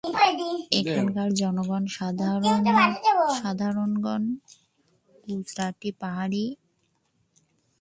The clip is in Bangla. এখানকার জনগণ সাধারণত গুজরাটি, পাহাড়ি।